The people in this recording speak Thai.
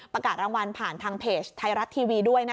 ประกาศรางวัลผ่านทางเพจไทยรัฐทีวีด้วย